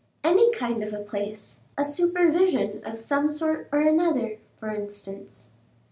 "Any kind of a place; a supervision of some sort or another, for instance."